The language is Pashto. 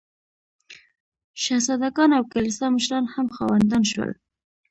شهزاده ګان او کلیسا مشران هم خاوندان شول.